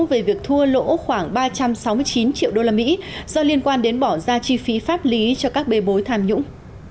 về việc thua lỗ khoảng ba trăm sáu mươi chín triệu usd do liên quan đến bỏ ra chi phí pháp lý cho các bê bối tham nhũng